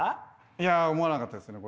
いや思わなかったですね